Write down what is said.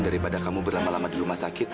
daripada kamu berlama lama di rumah sakit